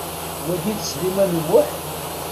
Wagi d Sliman U Muḥ?